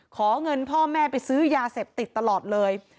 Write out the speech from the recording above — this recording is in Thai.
ขอเงินพ่อแม่ไปซื้อยาเสพติดตลอดเลย